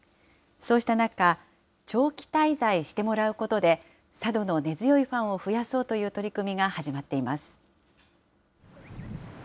そうした中、長期滞在してもらうことで、佐渡の根強いファンを増やそうという取り組みが始まっています。